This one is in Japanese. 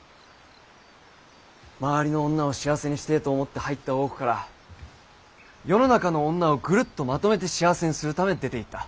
周りの女を幸せにしてぇと思って入った大奥から世の中の女をぐるっとまとめて幸せにするため出ていった。